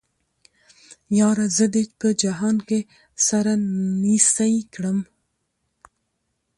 ياره زه دې په جهان کې سره نيڅۍ کړم